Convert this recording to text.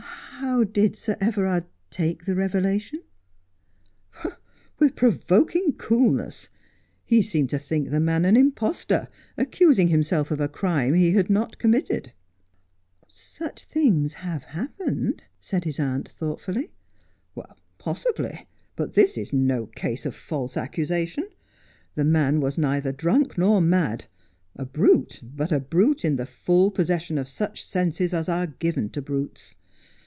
' How did Sir Everard take the revelation ?'' "With provoking coolness. He seemed to think the man an impostor, accusing himself of a crime he had not committed.' ' Such things have happened,' said his aunt thoughtfully. ' Possibly ; but this is no case of false accusation. The man was neither drunk nor mad — a brute, but a brute in the full possession of such senses as are given to brutes.